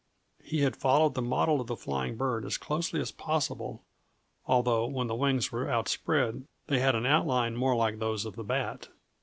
He had followed the model of the flying bird as closely as possible, although when the wings were outspread they had an outline more like those of the bat.